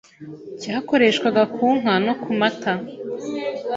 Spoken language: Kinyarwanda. cyakoreshwaga ku nka no ku mata